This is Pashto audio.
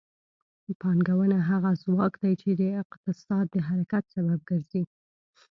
پانګونه هغه ځواک دی چې د اقتصاد د حرکت سبب ګرځي.